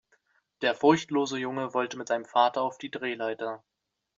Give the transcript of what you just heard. Der furchtlose Junge wollte mit seinem Vater auf die Drehleiter.